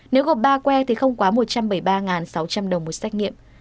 nếu gộp ba que thì không quá một trăm bảy mươi ba sáu trăm linh đồng một xét nghiệm